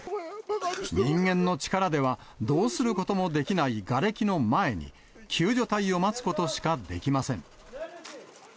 人間の力ではどうすることもできないがれきの前に、救助隊を待つことしかできません。